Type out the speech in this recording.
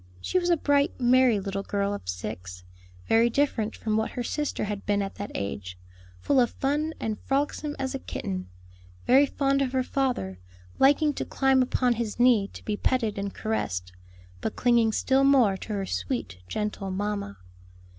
She was a bright, merry little girl of six, very different from what her sister had been at that age; full of fun and frolicsome as a kitten, very fond of her father, liking to climb upon his knee to be petted and caressed, but clinging still more to her sweet, gentle mamma.